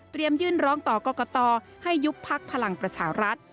เตรียมยื่นร้องต่อกอกต่อให้ยุคพักพลังประชารัฐ